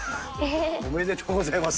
おめでとうございます。